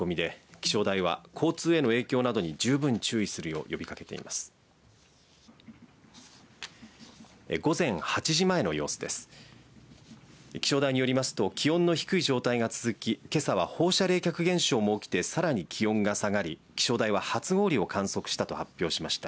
気象台によりますと気温の低い状態が続きけさは放射冷却現象も起きてさらに気温が下がり気象台は初氷を観測したと発表しました。